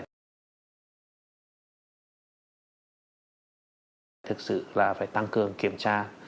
thực sự là phải tăng cường kiểm tra